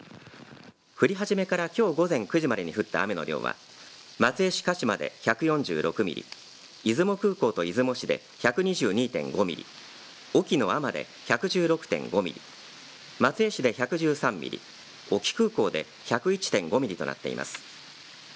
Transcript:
降り始めからきょう午前９時までに降った雨の量は松江市鹿島で１４６ミリ、出雲空港と出雲市で１２２．５ミリ、隠岐の海士で１１６．５ミリ、松江市で１１３ミリ、隠岐空港で１０１．５ミリとなっています。